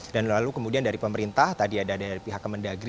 dan lalu kemudian dari pemerintah tadi ada dari pihak kemendagri